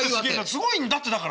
すごいんだってだからね。